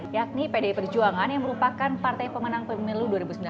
yakni pdi perjuangan yang merupakan partai pemenang pemilu dua ribu sembilan belas